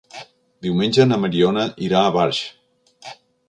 Diumenge na Mariona irà a Barx.